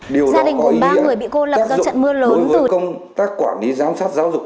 điều đó có ý nghĩa tác dụng đối với công tác quản lý giám sát giáo dục